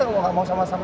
kalau tidak mau sama sama